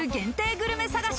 グルメ探し。